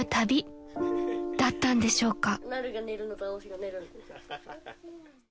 ［だったんでしょうか］